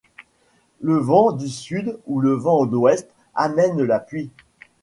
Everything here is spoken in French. Le vent du sud ou le vent d'ouest amène la pluie.